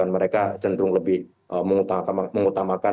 mereka cenderung lebih mengutamakan